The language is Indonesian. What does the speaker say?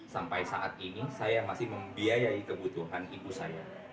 sampai saat ini saya masih membiayai kebutuhan ibu saya